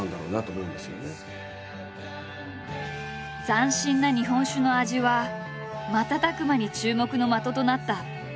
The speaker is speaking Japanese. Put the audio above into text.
斬新な日本酒の味は瞬く間に注目の的となった。